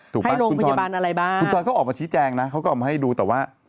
ไปโรงพยาบาลอะไรบ้างคุณจอยเขาออกมาชี้แจงนะเขาก็ออกมาให้ดูแต่ว่า